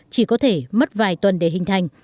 chỉ có thể mất vài tuần để hình thành